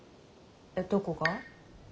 えっどこが？